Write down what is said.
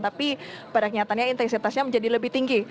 tapi pada kenyataannya intensitasnya menjadi lebih tinggi